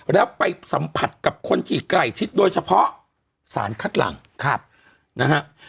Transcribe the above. แล้วไปสัมผัสกับคนที่ใกล้ชิดโดยเฉพาะสารคัดหลังนะฮะ